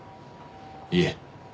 いえ。